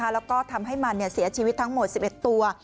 แล้วก็ทำให้มันเสียชีวิตทั้งหมด๑๑ตัว